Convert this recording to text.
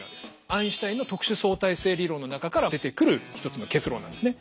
アインシュタインの特殊相対性理論の中から出てくる一つの結論なんですね。